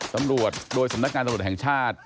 ตำรวจโดยสำนักงานตำรวจแห่งชาติ